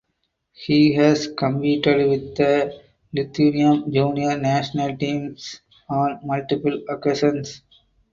He has competed with the Lithuanian junior national teams on multiple occasions.